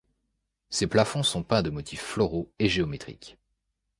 Ces plafonds sont peints de motifs floraux et géométriques.